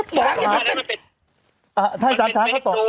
ช้านี้บ้านมันเป็น